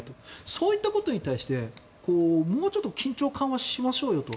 そういったことに対してもうちょっと緊張緩和しましょうと。